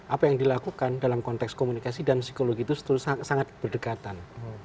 apa yang dilakukan dalam konteks komunikasi dan psikologi itu sangat berdekatan